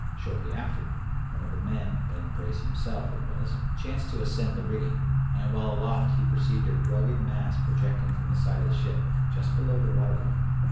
Shortly after, one of the men, Ben Brace himself, it was, chanced to ascend the rigging; and while aloft he perceived a rugged mass projecting from the side of the ship, just below the water line.